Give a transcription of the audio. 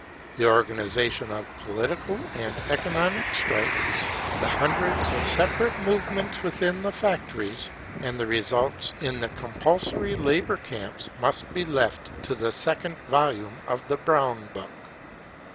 The organisation of political and economic strikes, the hundreds of separate movements within the factories, and the revolts in the compulsory labour camps must be left to the second volume of the Brown Book